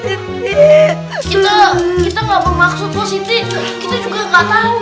kita juga nggak tahu